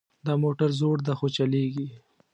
دا موټر زوړ ده خو چلیږي